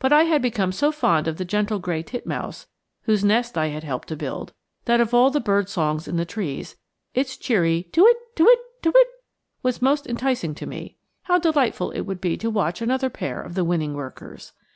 But I had become so fond of the gentle gray titmouse whose nest I had helped to build, that of all the bird songs in the trees, its cheery tu whit', tu whit', tu whit' was most enticing to me. How delightful it would be to watch another pair of the winning workers!